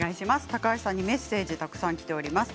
高橋さんにメッセージがたくさんきています。